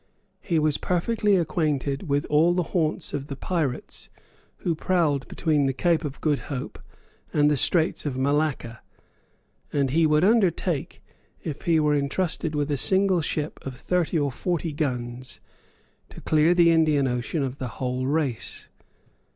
He was perfectly acquainted with all the haunts of the pirates who prowled between the Cape of Good Hope and the Straits of Malacca; and he would undertake, if he were entrusted with a single ship of thirty or forty guns, to clear the Indian Ocean of the whole race.